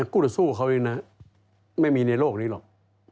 กูจะสู้กับเค้าเองน่ะไม่มีในโลกนี้หรอก